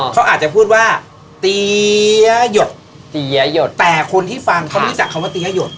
เขาอาจจะพูดว่าเตี๋ยหยดเตี๋ยหยดแต่คนที่ฟังเขารู้จักคำว่าเตี้ยหยด